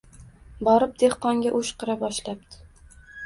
Borib dehqonga o’shqira boshlabdi: